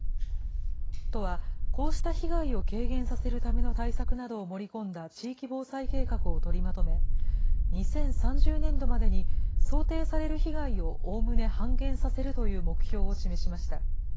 都はこうした被害を軽減させるための対策などを盛り込んだ地域防災計画を取りまとめ、２０３０年度までに想定される被害をおおむね半減させるという目標を示しました。